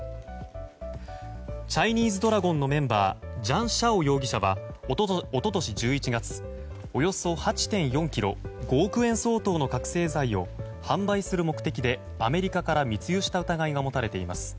チャイニーズドラゴンのメンバージャン・シャオ容疑者は一昨年１１月、およそ８．４ｋｇ５億円相当の覚醒剤を販売する目的でアメリカから密輸した疑いが持たれています。